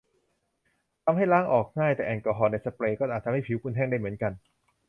ทำให้ล้างออกง่าย แต่แอลกอฮอล์ในสเปรย์ก็อาจทำให้ผิวคุณแห้งได้เหมือนกัน